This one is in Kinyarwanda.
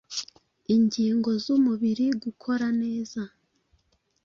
ingingo z’umubiri gukora neza